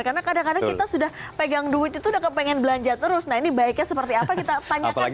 karena kadang kadang kita sudah pegang duit itu udah kepengen belanja terus nah ini baiknya seperti apa kita tanyakan